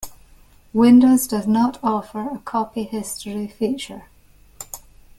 Windows does not offer a copy history feature.